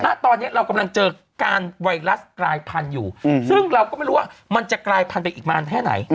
ณตอนนี้เรากำลังเจอการไวรัสกลายพันธุ์อยู่ซึ่งเราก็ไม่รู้ว่ามันจะกลายพันธุไปอีกนานแค่ไหน